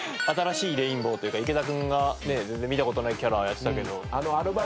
新しいレインボーというか池田君が全然見たことないキャラやってたけど。